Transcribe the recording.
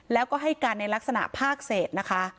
แล้วก็ให้การในลักษณะภาคเศษนะคะ